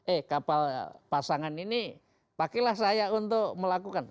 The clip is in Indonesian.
eh kapal pasangan ini pakailah saya untuk melakukan